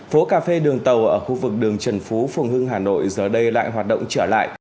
phố cà phê đường tàu ở khu vực đường trần phú phường hưng hà nội giờ đây lại hoạt động trở lại